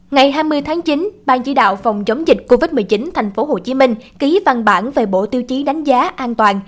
ngày hai mươi tháng chín ban chỉ đạo phòng chống dịch covid một mươi chín tp hcm ký văn bản về bộ tiêu chí đánh giá an toàn